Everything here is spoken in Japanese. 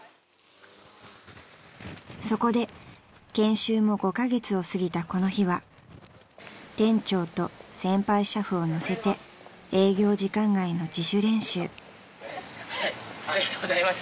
［そこで研修も５カ月を過ぎたこの日は店長と先輩俥夫を乗せて営業時間外の自主練習］